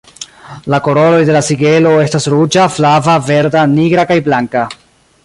La koloroj de la sigelo estas ruĝa, flava, verda, nigra kaj blanka.